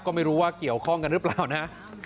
ก็ไม่รู้ว่าเกี่ยวข้องกันหรือเปล่านะ